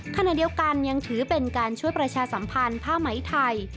ขณะเดียวกันยังถือเป็นการช่วยประชาสัมพันธ์ผ้าไหมไทย